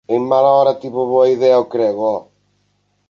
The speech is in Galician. _En mala hora tivo boa idea o crego, ho.